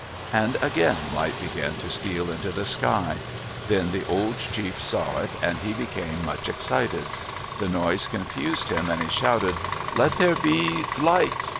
And again light began to steal into the sky. Then the old chief saw it and he became much excited. The noise confused him and he shouted, Let there be—light!